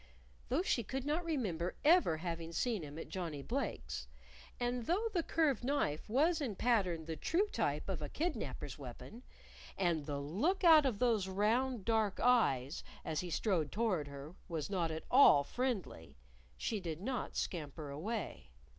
Though she could not remember ever having seen him at Johnnie Blake's; and though the curved knife was in pattern the true type of a kidnaper's weapon, and the look out of those round, dark eyes, as he strode toward her, was not at all friendly, she did not scamper away.